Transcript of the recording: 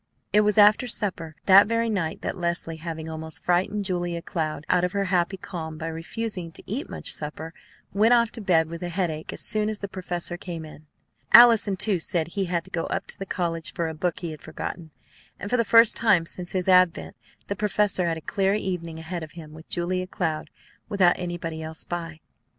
It was after supper that very night that Leslie, having almost frightened Julia Cloud out of her happy calm by refusing to eat much supper, went off to bed with a headache as soon as the professor came in. Allison, too, said he had to go up to the college for a book he had forgotten; and for the first time since his advent the professor had a clear evening ahead of him with Julia Cloud, without anybody else by.